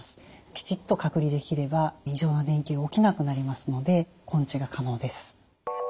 きちっと隔離できれば異常な電気が起きなくなりますので根治が可能です。